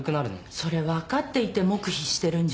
それ分かっていて黙秘してるんじゃ。